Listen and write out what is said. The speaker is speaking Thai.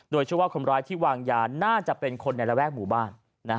เชื่อว่าคนร้ายที่วางยาน่าจะเป็นคนในระแวกหมู่บ้าน